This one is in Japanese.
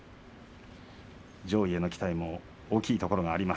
上位への期待も大きいところがあります。